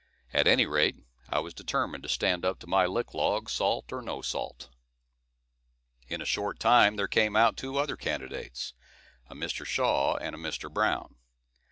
At any rate, I was determined to stand up to my lick log, salt or no salt. In a short time there came out two other candidates, a Mr. Shaw and a Mr. Brown.